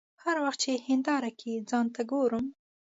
هر وخت چې هنداره کې ځان ته ګورم.